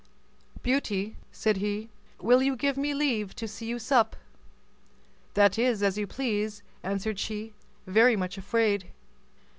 "Beauty," said he, "will you give me leave to see you sup?" "That is as you please," answered she, very much afraid.